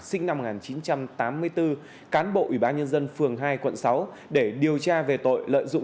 sinh năm một nghìn chín trăm tám mươi bốn cán bộ ủy ban nhân dân phường hai quận sáu để điều tra về tội lợi dụng